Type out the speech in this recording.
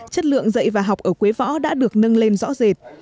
chất lượng dạy và học ở quế võ đã được nâng lên rõ rệt